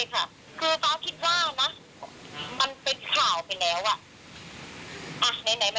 ในส่วนเมืองมันมีเอ่ยอย่างงี้เขาก็ยอมรับค่ะเพราะว่าเดี๋ยว